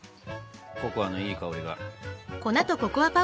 ココアのいい香りが。